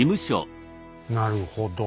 なるほど。